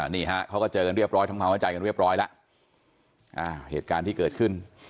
นี่ฮะเขาก็เจอกันเรียบร้อยทำความเข้าใจกันเรียบร้อยแล้วเหตุการณ์ที่เกิดขึ้น